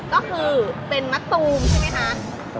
ก็คือเป็นมะตูมใช่ไหมคะ